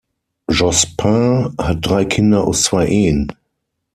Jospin hat drei Kinder aus zwei Ehen.